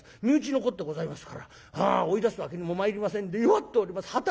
身内の子でございますから追い出すわけにもまいりませんで弱っております。